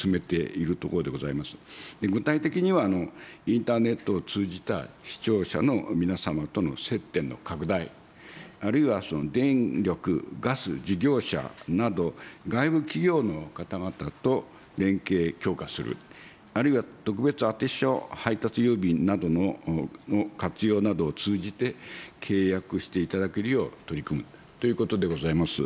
具体的には、インターネットを通じた視聴者の皆様との接点の拡大、あるいは電力、ガス事業者など、外部企業の方々と連携強化する、あるいは特別あて所配達郵便などの活用などを通じて、契約していただけるよう取り組むということでございます。